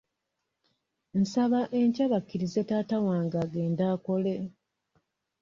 Nsaba enkya bakkirize taata wange agende akole.